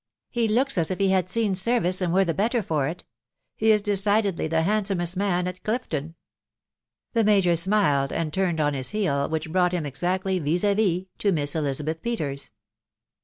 " He looks as if he had seen service, and were the better for it. He is decidedly the handsomest man at Clifton." The major smiled, and turned on his heel, which brought him exactly vis d vis to Miss Elizabeth Peters.